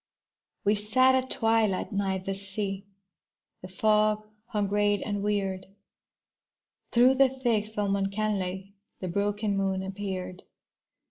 We sat at twilight nigh the sea, The fog hung gray and weird. Through the thick film uncannily The broken moon appeared.